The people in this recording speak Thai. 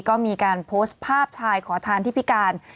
ก็มีการโพสต์ภาพชายขอทานที่พิการ